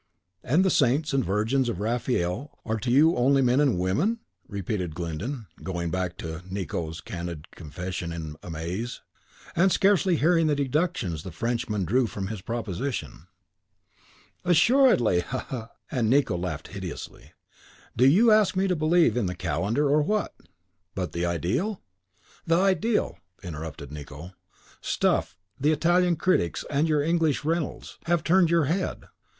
"And the saints and virgins of Raphael are to you only men and women?" repeated Glyndon, going back to Nicot's candid confession in amaze, and scarcely hearing the deductions the Frenchman drew from his proposition. "Assuredly. Ha, ha!" and Nicot laughed hideously, "do you ask me to believe in the calendar, or what?" "But the ideal?" "The ideal!" interrupted Nicot. "Stuff! The Italian critics, and your English Reynolds, have turned your head.